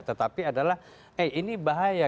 tetapi adalah eh ini bahaya